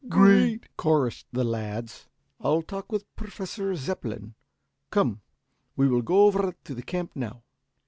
"Great!" chorused the lads. "I'll talk with Professor Zepplin. Come, we will go over to the camp now."